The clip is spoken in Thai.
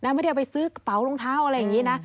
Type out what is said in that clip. ไม่ได้เอาไปซื้อกระเป๋ารองเท้าอะไรอย่างนี้นะ